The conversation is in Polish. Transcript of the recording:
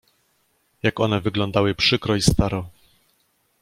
"Jak one wyglądały przykro i staro!"